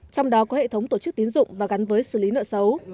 trong đó có hệ thống tổ chức tín dụng và gắn với xử lý nợ xấu